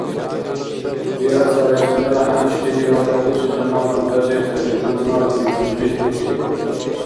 Биарслай сунела хӀянчилизивад акьуси замана газетаби, журналти, жузи дучӀи.